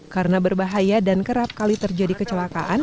karena berbahaya dan kerap kali terjadi kecelakaan